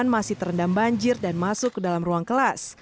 masih terendam banjir dan masuk ke dalam ruang kelas